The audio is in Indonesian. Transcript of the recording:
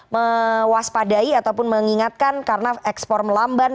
mewaspadai ataupun mengingatkan karena ekspor melamban